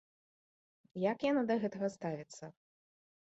Як яна да гэтага ставіцца?